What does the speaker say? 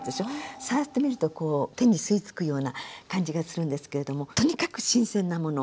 触ってみるとこう手に吸い付くような感じがするんですけれどもとにかく新鮮なもの。